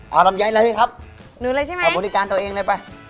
เอาลำไยอะไรสิครับหนูเลยใช่ไหมเอาบริการตัวเองเลยไป